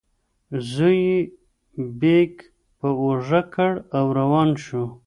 زوی یې بیک په اوږه کړ او روان شو.